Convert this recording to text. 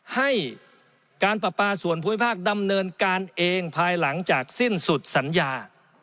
ให้การประปาส่วนภูมิภาคดำเนินการเองภายหลังจากสิ้นสุดสัญญา